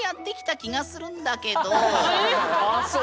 ああそう。